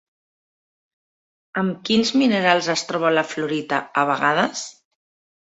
Amb quins minerals es troba la fluorita a vegades?